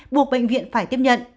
buộc bệnh viện phải tiếp nhận